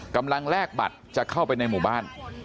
แลกบัตรจะเข้าไปในหมู่บ้าน